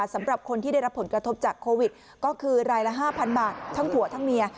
สำหรับคนที่ได้รับผลกระทบจากโควิดก็คือรายละ๕๐๐บาททั้งผัวทั้งเมีย